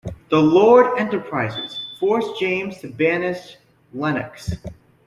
The Lord Enterprisers forced James to banish Lennox.